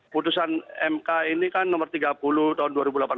putusan mk ini kan nomor tiga puluh tahun dua ribu delapan belas